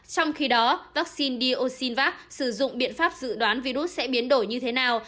trong khi đó vaccine d o sinvac sử dụng biện pháp dự đoán virus sẽ biến đổi như thế nào